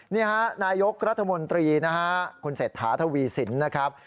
นี่ฮะนายกรัฐมนตรีคุณเศรษฐาถวีศิลป์นะครับ